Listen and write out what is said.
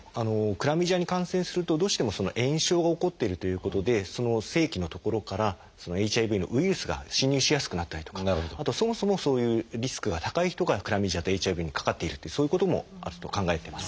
クラミジアに感染するとどうしても炎症が起こってるということで性器の所からＨＩＶのウイルスが侵入しやすくなったりとかあとそもそもそういうリスクが高い人がクラミジアとＨＩＶにかかっているってそういうことも考えています。